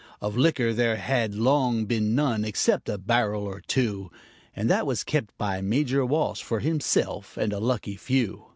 Of liquor there had long been none except a barrel or two, And that was kept by Major Walsh for himself and a lucky few.